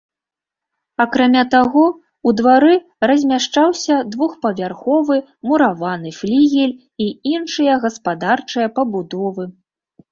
Акрамя таго, у двары размяшчаўся двухпавярховы мураваны флігель і іншыя гаспадарчыя пабудовы.